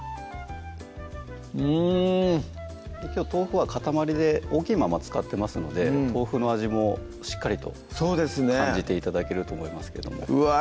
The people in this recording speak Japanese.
うんきょう豆腐は塊で大きいまま使ってますので豆腐の味もしっかりとそうですね感じて頂けると思いますけどもうわ